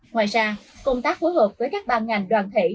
ngoài ra công tác phối hợp với các ban ngành đoàn thể